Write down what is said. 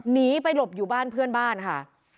หนีไปหลบอยู่บ้านเพื่อนบ้านค่ะ